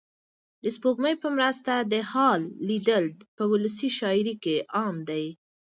د سپوږمۍ په مرسته د حال لېږل په ولسي شاعرۍ کې عام دي.